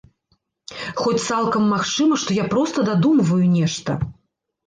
Хоць цалкам магчыма, што я проста дадумваю нешта.